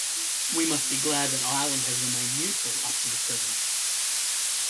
We must be glad that Ireland has remained neutral up to the present.